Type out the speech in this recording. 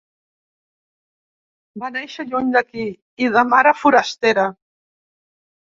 Va néixer lluny d’aquí, i de mare forastera.